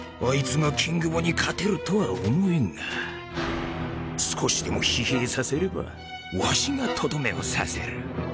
あいつがキングボに勝てるとは思えんが少しでも疲弊させればわしがとどめを刺せる